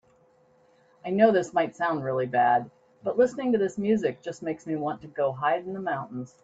I know this might sound really bad, but listening to this music just makes me want to go hide in the mountains.